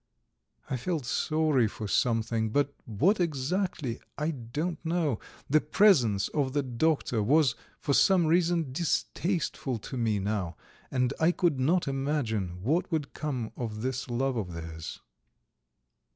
I felt sorry for something, but what exactly I don't know; the presence of the doctor was for some reason distasteful to me now, and I could not imagine what would come of this love of theirs.